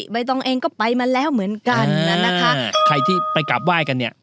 ใบตองเองก็ไปมาแล้วเหมือนกันนั้นนะคะใครที่ไปกราบไหว้กันเนี่ย